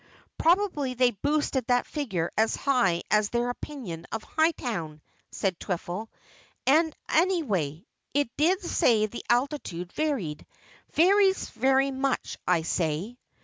"Probably they boosted that figure as high as their opinion of Hightown," said Twiffle, "and anyway, it did say the altitude varied. Varies very much, I'd say."